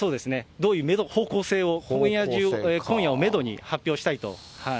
どういう方向性を、今夜中、今夜をメドに発表したいと。